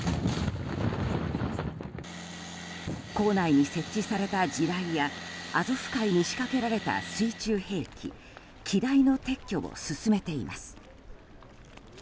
港内に設置された地雷やアゾフ海に仕掛けられた水中兵器機雷の撤去を進めています。